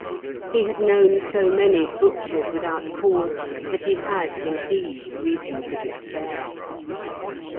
He had known so many butchered without cause, that he had, indeed, reason to despair.